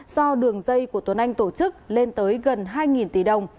do đường dây của tuấn anh tổ chức lên tới gần hai tỷ đồng